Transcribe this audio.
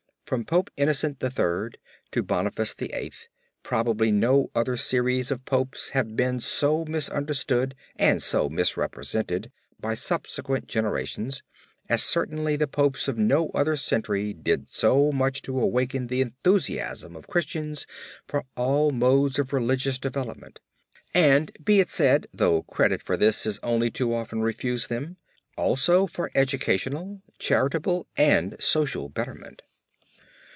From Pope Innocent III to Boniface VIII probably no other series of Popes have been so misunderstood and so misrepresented by subsequent generations, as certainly the Popes of no other century did so much to awaken the enthusiasm of Christians for all modes of religious development, and be it said though credit for this is only too often refused them, also for educational, charitable and social betterment.